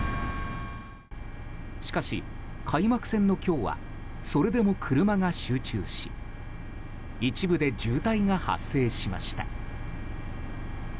しかし開幕戦の今日はそれでも車が集中し一部で渋滞が発生しました。